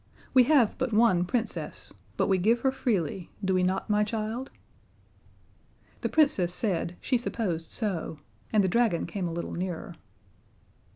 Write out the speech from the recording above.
We have but one Princess, but we give her freely do we not, my child?" The Princess said she supposed so, and the dragon came a little nearer.